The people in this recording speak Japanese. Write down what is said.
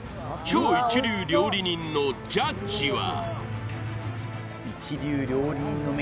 超一流料理人のジャッジは？